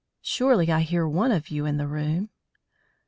"Surely I hear one of you in the room."